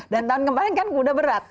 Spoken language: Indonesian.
dan tahun kemarin kan kuda berat